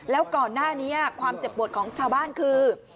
แล้วก่อนหน้านี้ความเจ็บปวดของชาวบ้านคือ